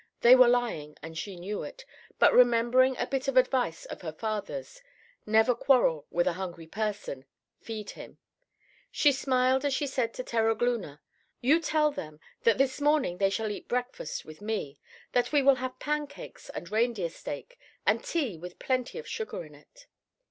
They were lying, and she knew it, but remembering a bit of advice of her father's: "Never quarrel with a hungry person—feed him," she smiled as she said to Terogloona: "You tell them that this morning they shall eat breakfast with me; that we will have pancakes and reindeer steak, and tea with plenty of sugar in it."